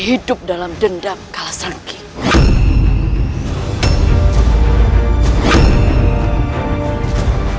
dan hidup dalam dendam kalasangking